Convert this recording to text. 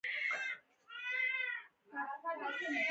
د ثابت څرخ څخه د قوې لوري بدلولو لپاره کار اخیستل کیږي.